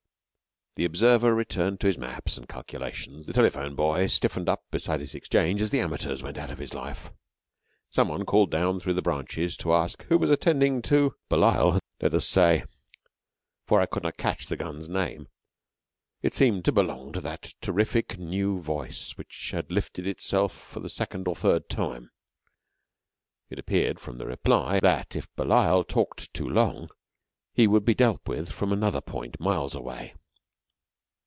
The observer returned to his maps and calculations; the telephone boy stiffened up beside his exchange as the amateurs went out of his life. Some one called down through the branches to ask who was attending to Belial, let us say, for I could not catch the gun's name. It seemed to belong to that terrific new voice which had lifted itself for the second or third time. It appeared from the reply that if Belial talked too long he would be dealt with from another point miles away.